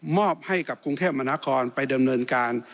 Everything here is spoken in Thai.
อบให้กับกรุงเทพมนาคอนไปดำเนินการ